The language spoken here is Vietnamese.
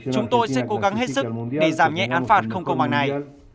chúng tôi sẽ cố gắng hết sức để giảm nhẹ án phạt không công bằng này